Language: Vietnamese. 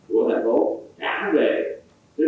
của thành phố cả huyền